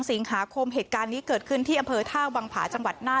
สิงหาคมเหตุการณ์นี้เกิดขึ้นที่อำเภอท่าวังผาจังหวัดน่าน